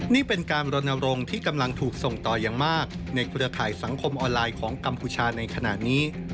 นี่เป็นการรณรงค์ที่กำลังถูกส่งต่ออย่างมากในเครือข่ายสังคมออนไลน์ของกัมพูชาในขณะนี้